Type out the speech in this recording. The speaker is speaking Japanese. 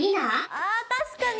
あ確かに！